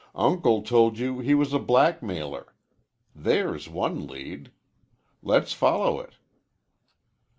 Uncle told you he was a black mailer. There's one lead. Let's follow it."